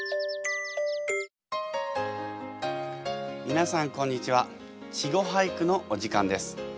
みなさんこんにちは「稚語俳句」のお時間です。